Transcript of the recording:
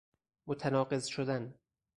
متناقص شدن